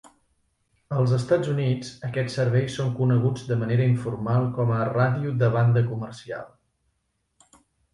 Als Estats Units, aquests serveis són coneguts de manera informal com a ràdio de banda comercial.